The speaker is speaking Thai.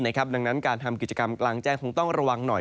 ดังนั้นการทำกิจกรรมกลางแจ้งคงต้องระวังหน่อย